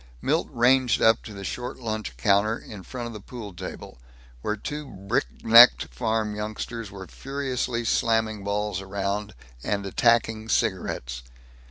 Milt ranged up to the short lunch counter, in front of the pool table where two brick necked farm youngsters were furiously slamming balls and attacking cigarettes.